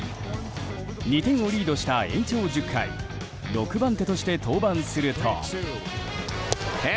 ２点をリードした延長１０回６番手として登板すると。